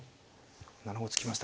７五歩突きました。